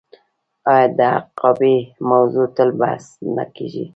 آیا د حقابې موضوع تل بحث نه کیږي؟